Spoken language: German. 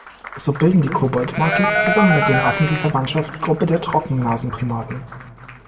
So bilden die Koboldmakis zusammen mit den Affen die Verwandtschaftsgruppe der Trockennasenprimaten.